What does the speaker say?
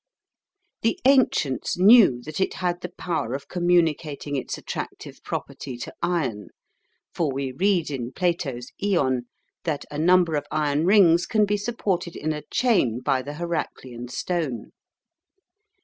The ancients knew that it had the power of communicating its attractive property to iron, for we read in Plato's "Ion" that a number of iron rings can be supported in a chain by the Heraclean Stone.